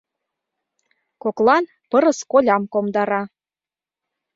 Коклан пырыс колям комдара.